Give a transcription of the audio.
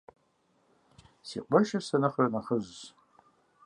Си къуэшыр сэ нэхърэ нэхъыжьщ.